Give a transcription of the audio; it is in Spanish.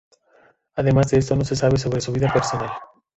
Además de esto no se sabe sobre su vida personal.